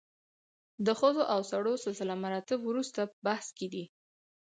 د ښځو او سړو سلسله مراتب وروسته بحث کې دي.